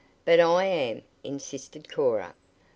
"But I am," insisted Cora.